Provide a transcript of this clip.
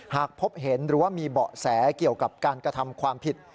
หากพบเห็นหรือว่ามีเบาะแสเกี่ยวกับการกระทำความผิด